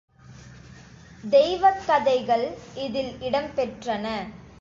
தெய்வக் கதைகள் இதில் இடம் பெற்றன.